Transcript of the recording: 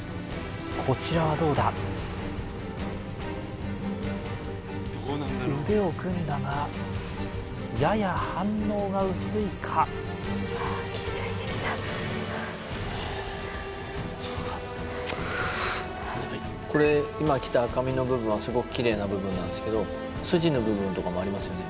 こちらはどうだ腕を組んだがやや反応が薄いかこれ今きた赤身の部分はすごくキレイな部分なんですけど筋の部分とかもありますよね